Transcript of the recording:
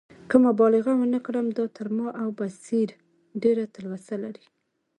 که مبالغه ونه کړم، دا تر ما او بصیر ډېره تلوسه لري.